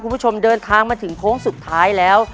คุณผู้ชมเดินทางมาถึงโค้งสุดท้ายแล้ว